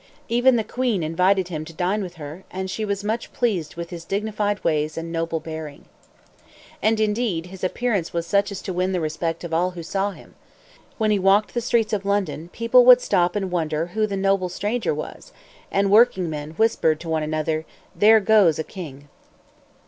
Even the Queen invited him to dine with her; and she was much pleased with his dignified ways and noble bearing. And, indeed, his appearance was such as to win the respect of all who saw him. When he walked the streets of London, people would stop and wonder who the noble stranger was; and workingmen whispered to one another: "There goes a king!"